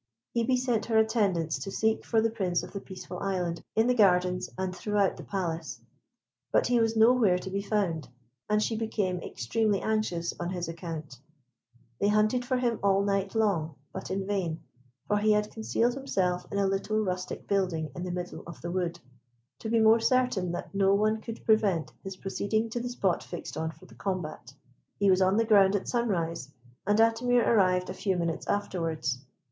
Hebe sent her attendants to seek for the Prince of the Peaceful Island in the gardens, and throughout the Palace; but he was nowhere to be found, and she became extremely anxious on his account. They hunted for him all night long, but in vain, for he had concealed himself in a little rustic building in the middle of the wood, to be more certain that no one could prevent his proceeding to the spot fixed on for the combat. He was on the ground at sunrise, and Atimir arrived a few minutes afterwards.